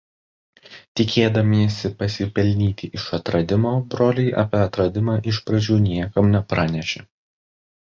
Tikėdamiesi pasipelnyti iš atradimo broliai apie atradimą iš pradžių niekam nepranešė.